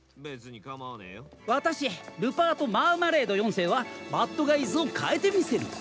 私ルパート・マーマレード４世はバッドガイズを変えてみせる。